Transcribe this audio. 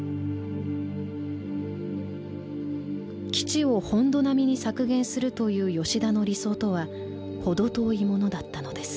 「基地を本土並みに削減する」という吉田の理想とは程遠いものだったのです。